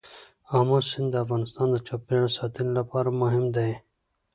آمو سیند د افغانستان د چاپیریال ساتنې لپاره مهم دی.